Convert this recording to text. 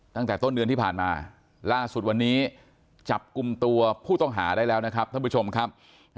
ตั้งแต่ต้นเดือนที่ผ่านมาล่าสุดวันนี้จับกลุ่มตัวผู้ต้องหาได้แล้วนะครับท่านผู้ชมครับ